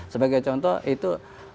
sebagai contoh itu